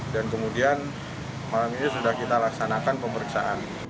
dan kemudian malam ini sudah kita laksanakan pemeriksaan